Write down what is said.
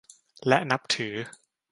และนับถือ